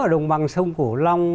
ở đồng bằng sông củ long